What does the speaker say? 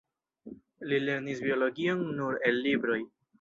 Li lernis biologion nur el libroj.